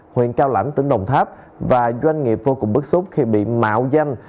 huyện cao lãnh tỉnh đồng tháp và doanh nghiệp vô cùng bức xúc khi bị mạo danh